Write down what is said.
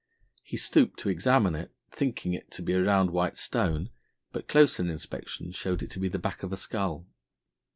He stooped to examine it, thinking it to be a round white stone, but closer inspection showed it to be the back of a skull.